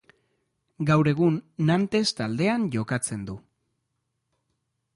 Gaur egun Nantes taldean jokatzen du.